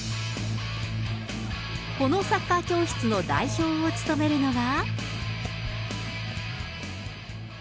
このサッカー教室の代表を務めるのが。